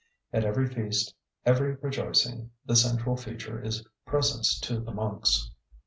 At every feast, every rejoicing, the central feature is presents to the monks.